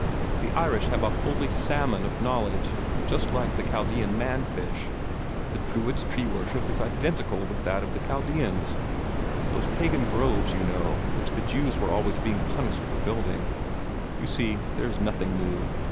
The Irish have a holy salmon of knowledge, just like the Chaldean man fish. The Druids' tree worship is identical with that of the Chaldeans those pagan groves, you know, which the Jews were always being punished for building. You see, there is nothing new.